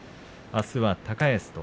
あすは高安と。